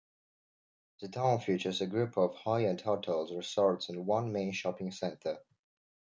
The town features a group of high-end hotels, resorts and one main shopping center.